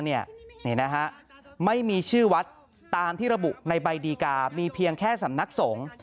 นี่นะฮะไม่มีชื่อวัดตามที่ระบุในใบดีกามีเพียงแค่สำนักสงฆ์